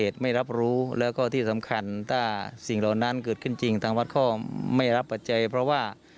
ชอบความกลัวให้ไป